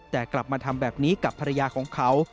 แต่กลับมาทำแบบนี้กับภรรยาของเขา